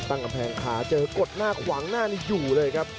ตั้งกำแพงขาเจอกดหน้าขวางหน้านี่อยู่เลยครับ